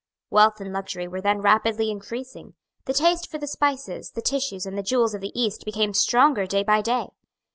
Wealth and luxury were then rapidly increasing. The taste for the spices, the tissues and the jewels of the East became stronger day by day.